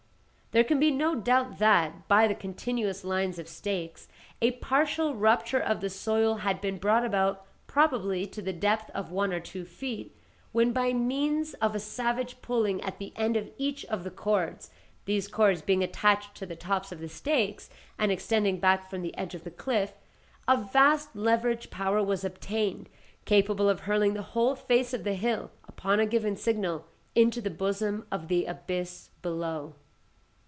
There can be no doubt that, by the continuous line of stakes, a partial rupture of the soil had been brought about probably to the depth of one or two feet, when by means of a savage pulling at the end of each of the cords (these cords being attached to the tops of the stakes, and extending back from the edge of the cliff), a vast leverage power was obtained, capable of hurling the whole face of the hill, upon a given signal, into the bosom of the abyss below.